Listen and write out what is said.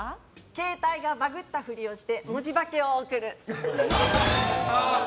携帯がバグったふりをして文字化けを送る。